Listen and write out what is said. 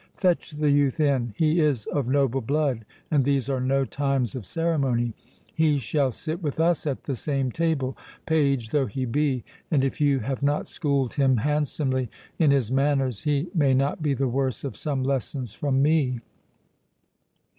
Fetch the youth in;—he is of noble blood, and these are no times of ceremony—he shall sit with us at the same table, page though he be; and if you have not schooled him handsomely in his manners, he may not be the worse of some lessons from me."